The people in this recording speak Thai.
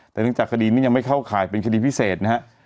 แต่เนื่องจากคดีนี้ยังไม่เข้าข่ายเป็นคดีพิเศษนะฮะ